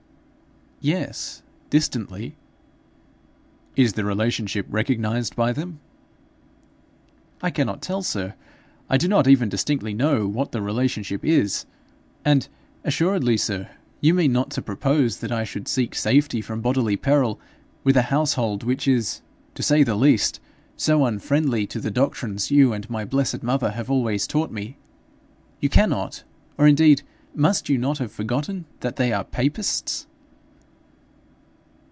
'Yes distantly.' 'Is the relationship recognized by them?' 'I cannot tell, sir. I do not even distinctly know what the relationship is. And assuredly, sir, you mean not to propose that I should seek safety from bodily peril with a household which is, to say the least, so unfriendly to the doctrines you and my blessed mother have always taught me! You cannot, or indeed, must you not have forgotten that they are papists?'